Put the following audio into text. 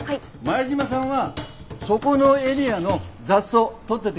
前島さんはそこのエリアの雑草取ってって下さい。